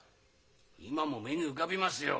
今も目に浮かびますよ。